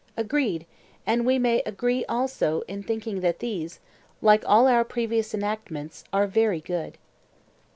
Agreed; and we may agree also in thinking that these, like all our previous enactments, are very good.